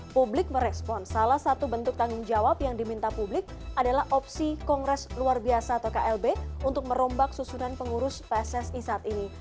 publik merespon salah satu bentuk tanggung jawab yang diminta publik adalah opsi kongres luar biasa atau klb untuk merombak susunan pengurus pssi saat ini